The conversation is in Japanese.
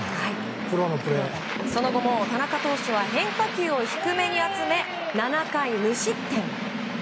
その後も田中投手は変化球を低めに集め７回無失点。